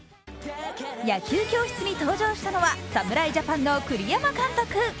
野球教室に登場したのは侍ジャパンの栗山監督。